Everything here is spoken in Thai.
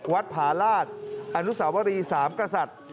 ผาลาศอนุสาวรีสามกษัตริย์